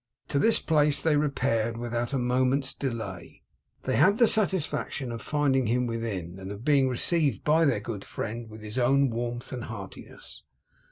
To this place they repaired without a moment's delay. They had the satisfaction of finding him within; and of being received by their good friend, with his own warmth and heartiness.